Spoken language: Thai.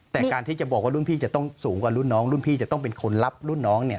แต่การที่จะบอกว่ารุ่นพี่จะต้องสูงกว่ารุ่นน้องรุ่นพี่จะต้องเป็นคนรับรุ่นน้องเนี่ย